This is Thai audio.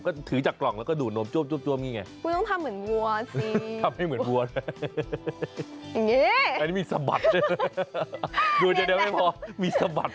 ก็ถือจากกล่องแล้วก็ดูดนมจ้วมนี่ไง